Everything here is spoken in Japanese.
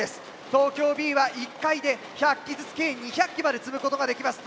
東京Ｂは１回で１００機ずつ計２００機まで積むことができます。